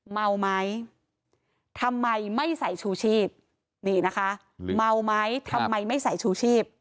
เมาไหมทำไมไม่ใส่ชูชีพนี่นะคะเมาไหมทำไมไม่ใส่ชูชีพ